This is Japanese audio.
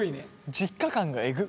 実家感がえぐっ。